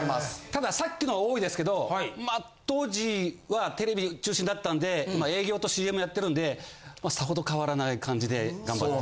たださっきの多いですけどまあ当時はテレビ中心だったんで営業とＣＭやってるんでまあさほど変わらない感じで頑張って。